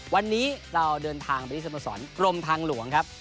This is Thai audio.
วันนี้เราเดินทางไปที่สโมสรกรมทางหลวงครับ